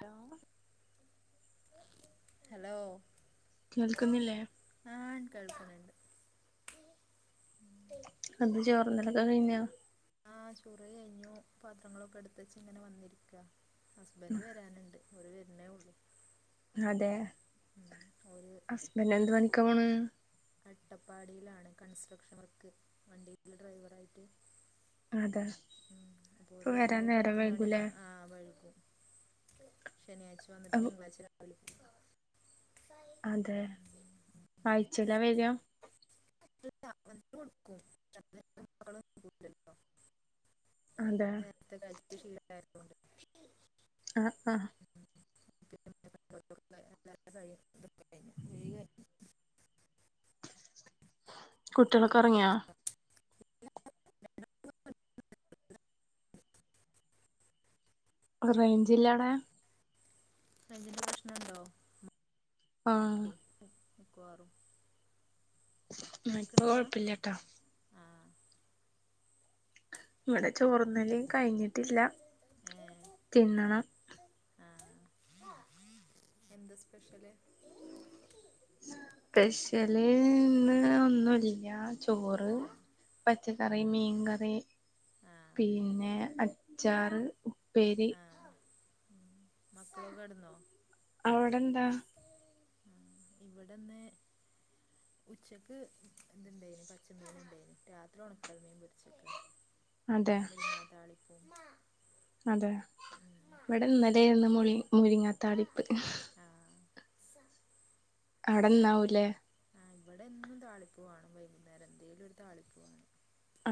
Hello hello കേൾക്കുന്നില്ലേ ആഹ് അ കേൾക്കുന്ന്ണ്ട് അത് ചോറന്നിലക്കാ കഴിഞ്ഞോ ആഹ ചോറ്വായി കഴിഞ്ഞു പാത്രങ്ങളൊക്കെ എടുത്തച്ചു ഇങ്ങനെ വന്നിരിക്ക ഹസ്ബൻഡറ് വരാനുണ്ട് അവര് വരുന്നേ ഉള്ളൂ അതെ ഉം. ഒരു ഹസ്ബന്ഡ എന്ത് അ- പണിക്കാപോവുന്നത് അട്ടപ്പാടിയിലാണ് കണ്സ്ട്രക്ഷൻ വർക്ക് വണ്ടി ഉള്ള ഡ്രൈവറ ആായിട്ട് അതെ ഉം അപ്പോര് ഇപ്പ വരുമ്പോ വരാൻ നേരം പത്ത് മണി വൈകൂലേ ആഹ വഴുകും ശനിയാഴ്ച വന്നിട്ട് തിങ്കളാഴ്ച രാവിലെ അതെ അഴിച്ചയിലാ വര [unintelligible] അതെ നേരത്തെ കഴിച്ച ശീലരുന്നു ആഹ് ആഹ് അഹ് [unintelligible] [inaudible] കുട്ടികളൊക്കെ ഉറങ്ങിയാ റേഞ്ച് ഇില്ലേ അവിടെ റേഞ്ച് ന്റെ പ്രശ്ന ഉണ്ടാവും ആഹ് മിക്കവാറും ഇപ്പൊ കേൾക്കണില്ല കൊഴപ്പില്ലട്ടോ ആഹ ഇവിടെ ചോറന്നല്ലും കഴിഞ്ഞിട്ടില്ല ഏ തിന്നണം ആ എന്താ സ്പെഷ്യല് സ്പെഷ്യൽന്ന് ഒന്നുമല്ല ചോറ് ആ പച്ചക്കറി ആ മീൻകറി ആ പിന്നെ അചാറ് ഉപ്പേരി മക്കള് കടന്നോ അവിടെന്താ ഉ ഇവിടെന്ന് [inaudible] ഉച്ചക്ക് ഇതുണ്ടായിന് പച്ചമീന ഉണ്ടായിന് രാത്രി ഉണക്കൽമീൻ പൊരിച്ചിക്ക അതെ മൂരീങ താളിപും അതെ ഇവിട ഇന്നലെനി മുരിങ്ങ തളിപ്പ് അവിടെന്നാവൂലേ ആ ഇവിടെയ എന്നും താളിപ് വെണം വൈകുന്നേരം എന്തെങ്കലും ഒരു തളിപ്പ്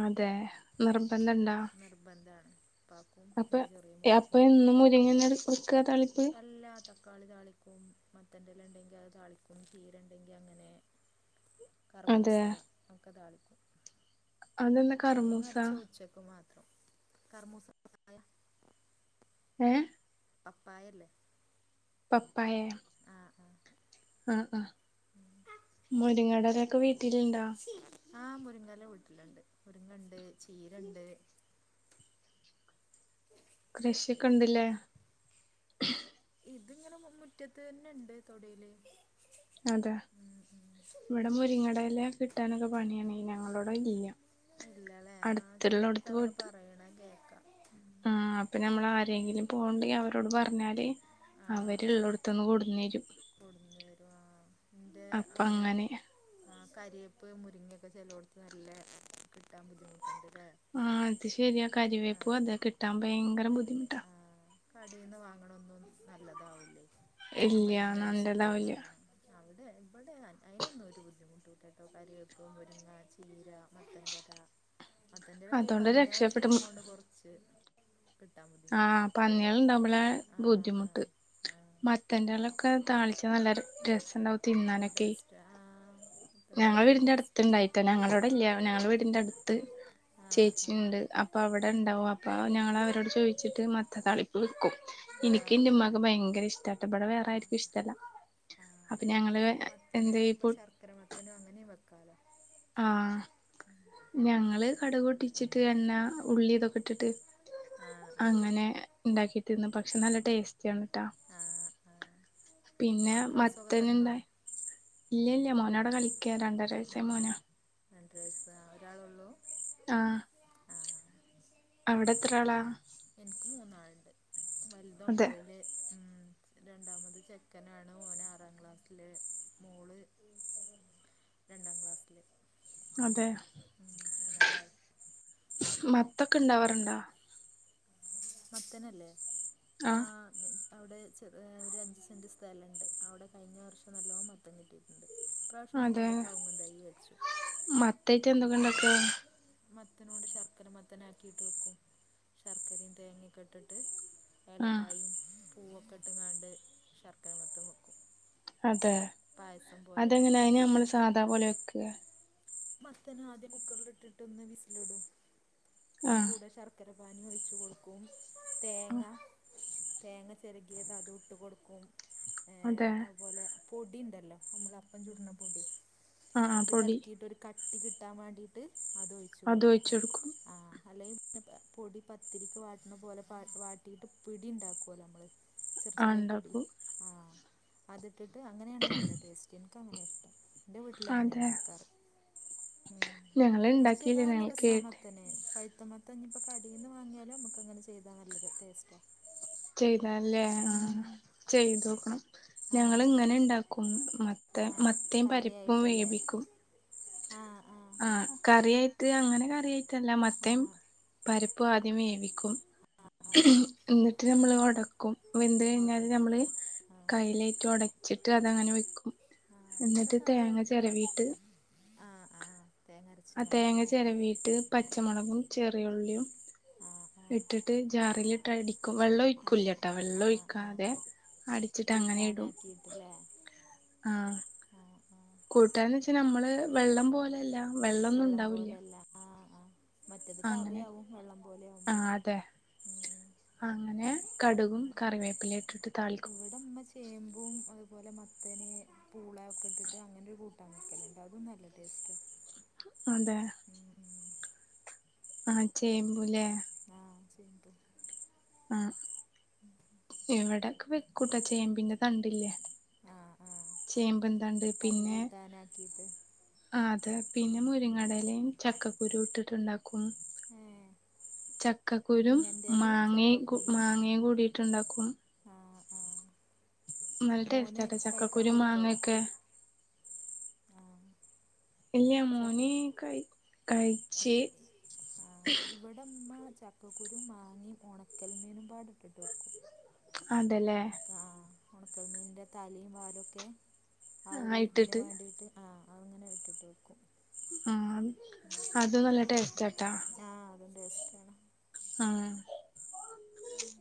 അതെ നിർബന്ധംണ്ടാ നിർബന്ധമാണ് ഉപ്പാക്കും അപ്പൊ എൻ്റെ ചെറിയ അപ്പൊ മോക്കും എന്നും മുരിങ്ങന ഒക്ക തളിപ്പ് എല്ലാ തക്കാളി താളിക്കും മത്തൻറെല ഉണ്ടെങ്കിൽ അത് താളിക്കും ചീര ഉണ്ടെങ്കിൽ അങ്ങനെ ഉ കറമൂസ ഒക്കെ താളിക്കും അതെന്താ തേങ്ങ കർമൂസ അരച്ച ഉച്ചക്ക് മാത്രം കറൂമുസ സ ഏ പപ്പായ ഇല്ലെ പപ്പായേ ആ ആ അ ആ ആ മുരിങ്ങടലൊക്കെ വീട്ടിലുണ്ടോ ആഹ് മുരിങ്ങല്ല വീട്ടിലുണ്ട് മുരിങ്ങണ്ട് ചീരണ്ട് കൃഷിയൊക്കെ ഇണ്ട്ല്ലേ ഇതിങ്ങനെ മുറ്റത്ത് തന്നെ ഉണ്ട് തൊടയില് അതെ ഇവിടെ മുരിങ്ങടെ ഇല കിട്ടാനൊക്കെ പണിയാണെ ഞങ്ങളോട ഇല്ല അടുത്തുള്ളടുത്ത് പോയിട്ട് പറയണ് കേൾക്കാം ഉം ആ അപ്പൊ ഞമ്മൾ ആരെങ്കിലും പോക്ണ്ടേ അവരോട് പറഞ്ഞാല് ആ അവര് ആ ഉള്ളിടത്തന്ന് കൊടുന്നേരും കൊടുന്ന് തരും ആ എൻ്റെ അപ്പൊ അവിടെ അങ്ങനെ ആ കരിവേപ്പ് മുരിങ്ങൊക്കെ ചെലോടത്ത് നല്ല കിട്ടാൻ ബുദ്ധിമുട്ടുണ്ട്ല്ലേ ആ അത് ശെരിയാ കരിവേപ്പും അതെ കിട്ടാൻ ഭയങ്കരം ബുദ്ധിമുട്ടാ കടേന്ന് വാങ്ങണെ ഒന്നും നല്ലതാവില്ലേ ആ ഇല്ല മരന്ന് അടിച്ചിട്ട് നല്ലതാവില്ല ആഹ് അവിടെ ഇവിടെ അതിനൊന്നും ഒരു ബുദ്ധിമുട്ട് ഇല്ലകേട്ടോ കരിവേപ്പും മുരിങ്ങ ചീര മത്തന്റെ ഇല മത്തൻന്റെ ഇല ഇപ്പേ അതുകൊണ്ട് പന്നിയാളുടെ രക്ഷപ്പെട്ടു ശല്യം കൊണ്ട് കുറച്ച് കിട്ടാൻ ബുദ്ധിമുട്ടുണ്ട് ആഹ് പന്നികൾ ഉണ്ടാവുമ്പോളാ ആ ആ ബുദ്ധിമുട്ട് ആ മത്തന്റെഇലഒക്കെ താളിച്ചാ നല്ല രസം ഉണ്ടാവും തിന്നാനൊക്കെ റ്റാ ഞങ്ങളെ വീടിന്റെ അടുത്ത് ഉണ്ടായിട്ടാ ഞങ്ങളെ അവിടെ ഇല്ല ഞങ്ങള് വീടിന്റെ അടുത്ത് ആഹ് ആഹ് ചേച്ചിയുണ്ട് അപ്പോൾ അവിടെ ഉണ്ടാകും അപ്പോൾ ഞങ്ങള് അവരോട് ചോദിച്ചിട്ട് മത്തൻ താളി വെക്കും എനിക്ക് ആഹ് എന്റെ ആഹ് ഉമ്മാക്കും ഭയങ്കരം ഇഷ്ട്ടാട്ടെ ഇവിടെ ആഹ് വേറൊയിരിക്കും ഇഷ്ടല്ല ആഹ് അപ്പൊ ഞങ്ങള് എന്ത് ഇപ്പ ചകരമത്തനും അങ്ങനെയും വെക്കാലോ ആഹ് ഞങ്ങള് കടക് പെട്ടിച്ചിട്ട് എണ്ണാ ഉള്ളി ഇതൊക്കെ ഇട്ടിട്ട് ആഹ് ആഹ് അങ്ങനെ ഉണ്ടാക്കിട്ടി തിന്നും പക്ഷെ നല്ല ടേസ്റ്റാണ് ട്ടെ ആഹ് ആഹ് പിന്നെ മക്കൾസൊക്കെ മത്തന് ഇള്ള കെടന്നോ ഇല്ല ഇല്ല മോന് അവിടെ കളിക്കാ രണ്ടര വയസായ മോനാ രണ്ടര വയസ് ഒരാള് ഒള്ളൂ ആഹ് അവിടെ എത്ര ആളാ എനിക്ക് മൂന്നാളുണ്ട് വലുത് അതെ ഒമ്പയില് ഉം രണ്ടാമത് ചെക്കനാണ് ഓന് ആറാം ക്ലാസ്സിൽ മോള് രണ്ടാം ക്ലാസ്സില് ഉം അതെ ഉം മൂന്നാളായി മത്തൊക്കെ ഇണ്ടാവാറുണ്ടോ മത്തേനല്ലേ ആഹ് അവിടെ ചെറ ഒരു അഞ്ച് സെൻറ് സ്ഥലണ്ട് അവിടെ കഴിഞ്ഞ വർഷം നല്ലവോണം മത്തം കിട്ടിയിട്ടുണ്ട് ഇപ്രാവശ്യം പിന്നെ അതെ അവിടെ കവുങ്ങ് തൈ വെച്ചു മത്തായിട്ട് എന്തൊക്കെ ഇണ്ടാക്കാ അപാവശ്യം മത്തനോട് ശർക്കര മത്തനെ ആക്കിയിട്ട് വെക്കും ശർക്കരയും തേങ്ങൊക്കെ ഇട്ടിട്ട് ആഹ് ഏലക്കായും പൂവൊക്കെ ഇട്ടുംങ്ങാണ്ട് ശർക്കര മത്തം വെക്കും അതെ പായസം പോലെ അതെങ്ങനെ ആക്കിയിട്ട് നമ്മള് സാധാ പോലെ വെക്കെ മത്തൻ ആദ്യം കുക്കറില ഇട്ടിട്ട് ഒന്ന് വിസിലിടും അതിന്റെ ആഹ് കൂടെ ശർക്കര പാനി ഒഴിച്ച ഒഴിച്ച് ആഹ് കെടുക്കും തേങ്ങ ചിരകിയത് ഇട്ട് കൊടുക്കും ഏഹ് അതെ അതുപോലെ പൊടിയ ഉണ്ടല്ലോ നമ്മള് അപ്പം ചുട്ണെ പൊടി ആഹ് ആഹ് അത് പൊടി കലക്കിയിട്ട ഒരു കട്ടി കിട്ടാൻ വേണ്ടിട്ട് അത്ഒഴിച്ചു അത് ഒഴിച്ച് കൊടുക്കും ആ അല്ലെങ്കി പൊടി പ ഒത്തിരിക്ക് വാട്ടണ പോലെ വാട്ടിയിട്ട് പിടി ഉണ്ടാക്കുവല്ല നമ്മള് ചെറ ആഹ് ചെറിയ പിടി ഇണ്ടാക്കും ആഹ അതിട്ടിട്ട് അങ്ങനെയാണ് നല്ല ടേസ്റ്റ് എനിക്ക്ങ്ങനെ ഇഷ്ടം എന്റെ വീട്ടിൽ അങ്ങനെ അതെ ഉണ്ടാക്കാറ് ഉ ഞങ്ങള് ഇണ്ടാക്കിയില്ല അനക്ഷ്താ നല്ല ഞങ്ങൾ കേട്ട് രസമാമത്തേനെ പഴുത്തമാത്തഞ്ഞ ഇപ്പോ കടയിൽന്ന് വാങ്ങിയാലോ നമുക്ക് അങ്ങനെ ചെയ്താ നല്ലത് ടേസ്റ്റാ ചെയ്താല്ലേ ആ ചെയ്തോക്കണം ആ ഞങ്ങൾ ഇങ്ങനെ ഉണ്ടാക്കും ആ മത്തി മത്തേയും പരിപ്പും വേവിക്കും ആഹ് ആഹ ആഹ കറിയയിട്ട് അങ്ങനെ കറിയയി് ഇതെല്ലാം ആ മത്തേം പരിപ്പ് ആദ്യം വേവിക്കും എന്നിട്ട് നമ്മള് ഉടക്കും വെന്ത് അവിടെ- കഴിഞ്ഞാല് നമ്മള് ആ കൈയിലേറ്റ് ഉടച്ചിട്ട് അതങ്ങനെ വെക്കും ആ എന്നിട്ട് തേങ്ങ ചിരവിട്ട് ആഹ് ആഹ ആ തേങ്ങ ചിരവിീട്ട് പച്ചമുളകും ചെറിയുള്ളിയും ആ ആ ഇട്ടിട്ട് ജാറിലിട്ട് അടിക്കും വെള്ളം ആ ഒഴിക്കൂലട്ടോ വെള്ളം ആ ആ ഒഴിക്കാതെ അടിച്ചിട്ട് അങ്ങനെ ഇടും പലേ ആഹ കൂട്ടാരന്ന് വെച്ചാ നമ്മള് വെള്ളം പോലല്ല വെള്ളൊന്നും വെള്ളം ഉണ്ടാവൂില്ല പോലെയല്ല ആ ആ മറ്റേത് അങ്ങനെ കറിയാവും വെള്ളം പോലെ ആ ആവുമ്പോൾ അതെ അങ്ങനെ കടുകും കറിവേപ്പില ഇട്ടിട്ട് ത അവിടെമ്മ ചേമ്പും അതുപോലെ മത്തനെ പൂളയ ഒക്കെ ഇട്ടിട്ട് അങ്ങനെ ഒരു കൂട്ടംൻ വക്കലുണ്ട് അതും നല്ല ടേസ്റ്റ് അതെ ഉം ഉം ആഹ ചേമ്പുലേ ആഹ ചേമ്പ് അഹ ഇവടെക്കെ വെക്കുട്ടൊ ചേമ്പിൻ്റെ തണ്ടില്ലേ ആ ആ ചേമ്പിൻന്തണ്ട് പടു പിന്നെ കൂട്ടാനാക്കിയിട്ട് ആഹ അതെ പിന്നെ ഉം ഉം. മുരിങ്ങടലിം ചക്കക്കുരും ഇട്ടിട്ട്ണ്ടാക്കും ഏ ചക്കക്കുരും മുരിങ്ങൻ്റെ ഇലയും മാങ്ങേക്കു മാങ്ങേങ്കൂടിട്ട്ണ്ടാക്കും ആഹ ആഹ നല്ല മോന് ടേസ്റ്റാട്ടോ കയ്ക്കാൻ ചക്കക്കുരു കൊടുത്തോ മാങ്ങൊക്കെ ആഹ ഇല്ല്യ മോന് കയ് കഴിച്ചേ ഇവടെമ്മ ചക്കക്കുരും മാങ്ങിം ഒണക്കൽമീനും പാടെ ഇട്ടിട്ട് വെക്കും അതെല്ലേ ആഹ ഒണക്കൽ മീനിൻ്റെ തലയും വാലൊക്കെ ആ ഒരു ഇതിന് വേണ്ടി ട്ട് ആഹ അങ്ങനെ വെട്ടിട്ട് വെക്കും ആഹ അത് നല്ല ടേസ്റ്റ് ആട്ടാ ആഹ അതും ടേസ്റ്റ് ആണ് ആഹ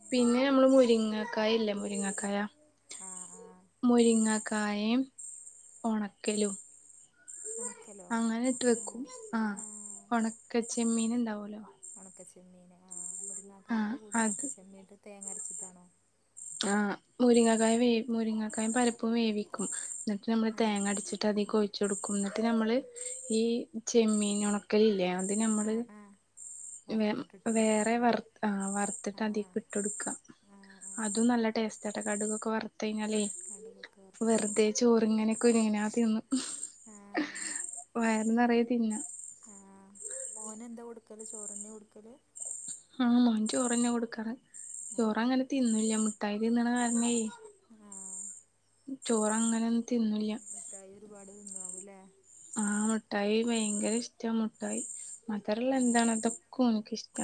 പിന്നെ ഞമ്മള് മുരിങ്ങാക്കായില്ലേ മുരിങ്ങാക്കായ ആ ആ മുരിങ്ങാക്കായെം ഒണക്കലും ഉണക്കലോ അങ്ങനെട്ട് ആ വെക്കും ആഹ ആ ഒണക്കച്ചമ്മീന് ഉണ്ടാവൊലോ ഒണക്കച്ചെമ്മീന് ആഹ ആ മുരിങ്ങാക്കായൻ്റെ കൂടെ അത് ഒണക്കച്ചെമ്മീന്ട്ട് തേങ്ങ അരച്ചിട്ടാണോ ആഹ മുരിങ്ങക്കായ വേ മുരിങ്ങക്കായിം പരിപ്പും വേവിക്കും ഇന്നട്ട് നമ്മള് ആ തേങ്ങടിച്ചിട്ട് അതീക്കൊ ചുട്ട്ട്ക്കും ന്നട്ട് ഞമ്മള് ഈ ചെമ്മീൻ ഒണക്കലില്ലേ അത് ആ നമ്മള് ആ വെ വറുത്തിട്ട് ഇട്ട് കൊടുക്കുക വേറെ അതിൽ വർ ആഹ വർത്തിട്ട് ആ അതീക്ക് ഇട്ടൊട്ക്ക ആ ആ അതും നല്ല ടേസ്റ്റാട്ടൊ കടുകൊക്കെ വർത്തയ്ഞ്ഞാലേ കടുകൊക്കെ വർത്ത്ട്ട് ചോറിങ്ങനെക്കെയൊ ഞാൻ തിന്നും ആ വയറു നിറയെ തിന്ന ആഹ മോനന്താ കൊടുക്കല് ചോറെന്യാ കൊടുക്കല് ആഹ ചോറന്നെ കൊടുക്കാറ് ആ ചോറങ്ങനെ തിന്നില്ല മുട്ടായി തിന്നണ കാരണേ ആഹ ചോറങ്ങനൊന്നും തിന്നില്ല മിട്ടായി ഒരുപാട് തിന്നാവുല്ലേ ആഹ മുട്ടായി ഭയങ്കര ഇഷ്ട മുട്ടായി മധരള്ള ആ എന്താണ് അതൊക്കെ ഓൻക്കിഷ് ട്ട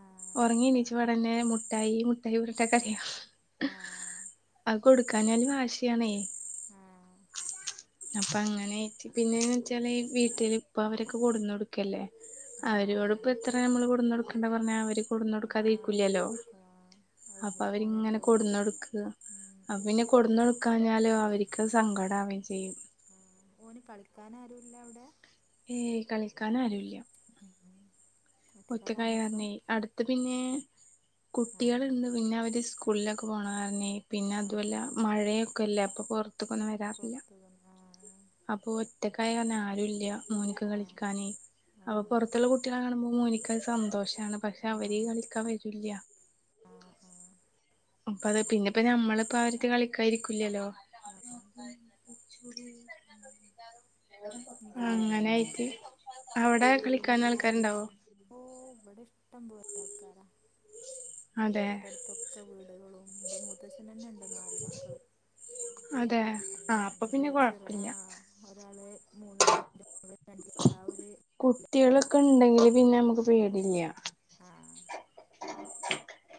ആ ഉറങ്ങി നീച്ച് പാടന്നെ മുട്ടായി മുട്ടായി പറഞ്ഞ്ട്ട കരയ ആ അത് കൊടുക്കാഞ്ഞാലും വാശിയാണേ ആഹ അപ്പം അങ്ങനെ ആയ്ട്ട് പിന്നെ ചെല ഈ വീട്ടില് ഇപ്പ അവരൊക്കെ കൊടുന്ന് കൊടുക്ക് ക്കല്ലെ ആ അവരോട് ആ ഇപ്പം എത്ര ഞമ്മൾ കൊടുന്ന് കൊടുക്കണ്ട പറഞ്ഞാ അവര് ആ കൊടുക്കാതിരിക്കില്ലല്ലോ കൊണ്ടുനടക്കും ആ ഒരു അപ്പൊ മോനല്ലേ അവരിങ്ങനെ ഉള്ളൂ കൊടുന്ന കൊടുക്ക ഉം അപ്പം ഉം പിന്നെ കൊടുന്ന് കൊടുക്കാഞ്ഞാലോ അവർക്ക് സങ്കടാവെം ചെയ്യും മോന് കളിക്കാനാരുല്ല അവടെ ഏയ് കളിക്കാൻ ആരുല്ല്യ ഉം ഉം ഒറ്റക്കാ താമസം അത് പിന്നെ ആ കുട്ടികള്ണ്ട് പിന്നെ അവര് സ്കൂളിലൊക്കെ പോണ കാരണെ പിന്നെ ആ അതു അല്ല മഴയൊക്കെല്ലേ അപ്പൊ പൊർത്തക്കൊന്നും വരാ പൊർത്ത് വന്നാ ആഹ അപ്പൊ ഒറ്റക്കായങ്ങനെ ആരുല്ല മോന്ക്ക് ആ കളിക്കാനെ ആ അപ്പൊ പൊറത്ത്ള്ള കുട്ടേളെ കാണുമ്പോ മോനിക്കത് സന്തോഷാണ് പക്ഷെ അവര് കളിക്കാൻ വരൂല്ല ആഹ ആഹ അപ്പത്പിന്നെപ്പിന്നെനമ്മളിപ്പ അവരറ്റ്കളിക്കാായിരിക്കില്ലല്ലോ ആ ഇനി കാലത്തെന്താ അങ്ങനെയിട്ട്അവിടെകളിക്കനാൾക്കാരുണ്ടാവോ ഓഹ്ഇവിടെഇഷ്ടംപോല അതെ ആൾക്കാരാതൊട്ടടുത്ത് ഒക്കെവീടുകളുംഇന്റെ മൂത്തച്ഛനന്നെണ്ട് നാ അതെ ആ അപ്പൊ പിന്നെ കൊഴപ്പില്ല മക്കള്ഉംണ്ട്ഇന്റെചേർആഹ ഒരാള്മൂന്നില്ലേ [unintelligible] ലവിൽ കുട്ടികളൊക്കെണ്ടെങ്കില് പിന്നെ നമക്ക്പേടില്ല്യ ആഹ്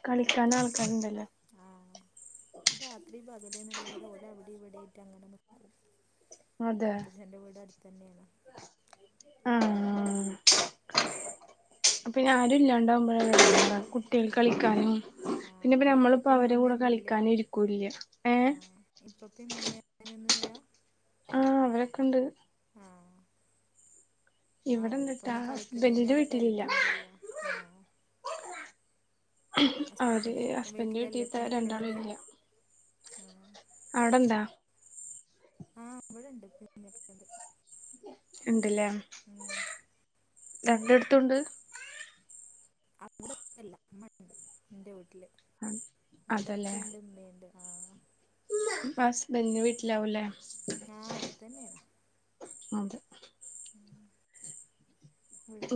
കളിക്കാൻ അടുത്തുണ്ട് ആൾക്കാരുണ്ടല്ലോ ആഹ് രാത്രിപകൽന്നില്ലാതെഓലവിടെ ഇവിടായിട്ട്അങ്ങനെനിക്കും അതെ മുത്തച്ചന്റെ വീടടുത്തന്നെയാണ് ആഹ് പിന്നെആരുംല്ലാണ്ടാവുമ്പോഴകു ആ ആ കുട്ടികക്ക്കളിക്കാനുംപിന്നെപ്പൊ അവിടെ ഇപ്പപ്പയും നമ്മളിപ്പോഅവരെകൂടെ മമ്മയൊന്നുമില്ല കളിക്കാനുംഇരിക്കൂല്ല്യഏഹ് ഇപ്പപ്പ ഇമ്മമ്മഅങ്ങനൊന്നുംല്ല്യ ആഹ് അങ്ങനെക്കെണ്ട് ആഹ ആ ഓല് ഇവിടെണ്ട്ട്ടാ പൊന്ന് ഹസ്ബൻഡിന്റെ കളിക്കണേനൊരു വീട്ടിലില്ല പരിധിണ്ടല്ലോ ആഹ് അവര് ഹസ്ബൻഡിൻ്റെ ഹസ്ബൻഡിന്റെ വീട്ടിലല്ലേ വീട്ടീത്തെ ഇപ്പം നിൽക്കണത് രണ്ടാള്ഇല്ല്ല്യ ആ അവിടെന്താ ആഹ് ഇവിടെണ്ട് [unintelligible] ഇണ്ട്ലേ രണ്ടടുത്തുണ്ട് അവിടെ പ്പല്ല ഇമ്മണ്ട് ഇന്റെവീട്ടില് ഇവിടെപ്പിണ്ട്മ്മിണ്ട് ആഹ് ഹസ്ബന്റിന്റെ വീട്ടിലാവുലെ ആഹ് അവിടെതന്നെയാണ് അതെ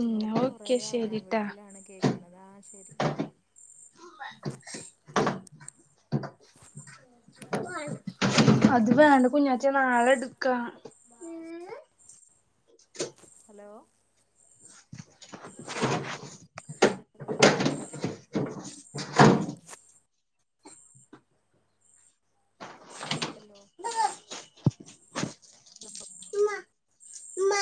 ഉം കൊറേ ഓക്കെ അവന ശരിട്ടാ വീട്ടിലാണ് കേക്ക് അതാ ശെരി [unintelligible] അത് ആ വേണ്ട കുഞ്ഞാറ്റെനാളെടുക്ക ഹലോ കാട്ടാവുല്ലല്ലോ കാട്ടാവ്ണ്ല്ലല്ലോ ഉമ്മ [unintelligible] ഉമ്മ